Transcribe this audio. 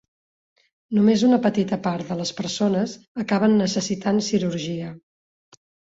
Només una petita part de les persones acaben necessitant cirurgia.